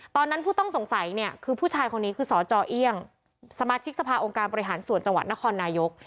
ผู้ต้องสงสัยเนี่ยคือผู้ชายคนนี้คือสจเอี่ยงสมาชิกสภาองค์การบริหารส่วนจังหวัดนครนายก